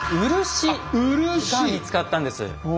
あっ漆！が見つかったんです。